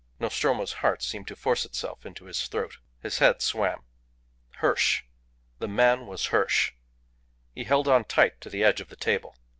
Nostromo's heart seemed to force itself into his throat. His head swam. Hirsch! The man was Hirsch! He held on tight to the edge of the table.